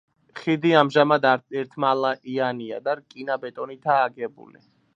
ხიდი ამჟამად ერთმალიანია და რკინა-ბეტონითაა აგებული.